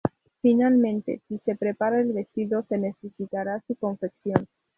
Finalmente si se prepara el vestido se necesitará su confección.